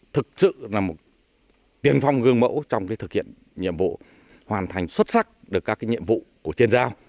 thực sự là một tiền phong gương mẫu trong thực hiện nhiệm vụ hoàn thành xuất sắc được các nhiệm vụ của trên giao